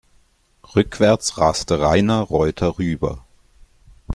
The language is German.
Rückwärts raste Rainer Reuter rüber.